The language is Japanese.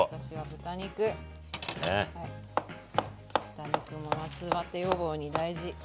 豚肉も夏バテ予防に大事。